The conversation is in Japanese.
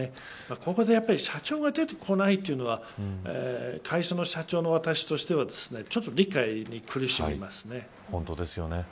ここで社長が出てこないというのは会社の社長の私としてはですねちょっと理解に苦しみますね。